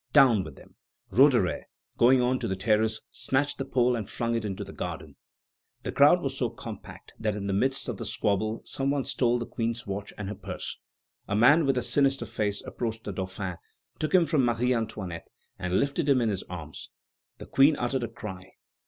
down with them!" Roederer, going on to the terrace, snatched the pole and flung it into the garden. The crowd was so compact that in the midst of the squabble some one stole the Queen's watch and her purse. A man with a sinister face approached the Dauphin, took him from Marie Antoinette, and lifted him in his arms. The Queen uttered a cry.